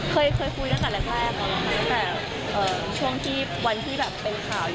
เคยเคยคุยด้านแต่ละครแปบครับแต่ช่วงที่วันที่ครับเป็นข่าวเยอะ